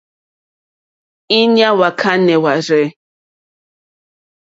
Íɲá hwá kánɛ̀ hwârzɛ̂.